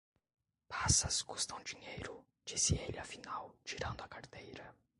Passas custam dinheiro, disse ele afinal, tirando a carteira.